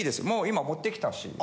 もう今持ってきたし。